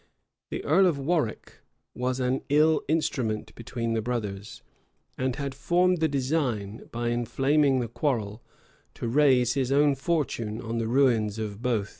The earl of Warwick was an ill instrument between the brothers; and had formed the design, by inflaming the quarrel, to raise his own fortune on the ruins of both.